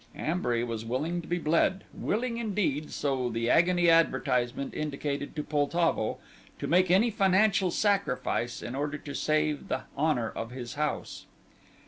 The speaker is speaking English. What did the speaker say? Ambury was willing to be bled, willing indeed, so the agony advertisement indicated to Poltavo, to make any financial sacrifice in order to save the honour of his house.